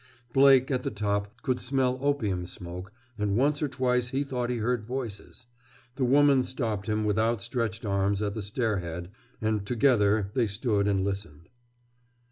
Blake, at the top, could smell opium smoke, and once or twice he thought he heard voices. The woman stopped him, with outstretched arms, at the stair head, and together they stood and listened.